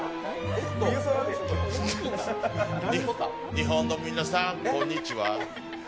日本の皆さん、こんにちは。